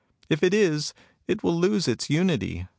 If it is, it will lose its unity.